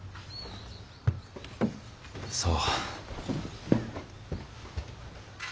そう。